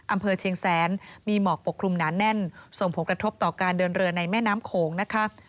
อำเภอเชียงแสนมีหมอกปกคลุมหนาแน่นส่งผลกระทบต่อการเดินเรือในแม่น้ำโขงนะคะ